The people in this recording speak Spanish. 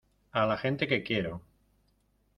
a la gente que quiero.